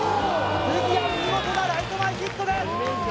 杉谷見事なライト前ヒットだ